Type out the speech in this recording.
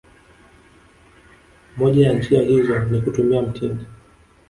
Moja ya njia hizo ni kutumia mtindi